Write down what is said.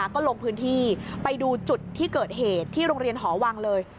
ก็ลงพื้นที่ไปดูจุดที่เกิดเหตุที่โรงเรียนหอวังเลย